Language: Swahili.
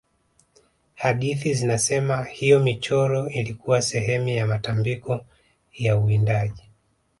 hadithi zinasema hiyo michoro ilikuwa sehemu ya matambiko ya uwindaji